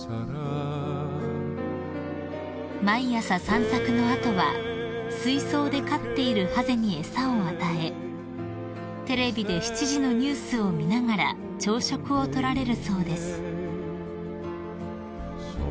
［毎朝散策の後は水槽で飼っているハゼに餌を与えテレビで７時のニュースを見ながら朝食を取られるそうです］